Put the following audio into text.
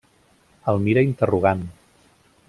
El mira interrogant.